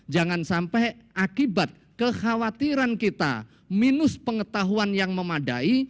jangan sampai akibat kekhawatiran kita minus pengetahuan yang memadai